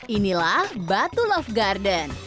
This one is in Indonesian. inilah batu love garden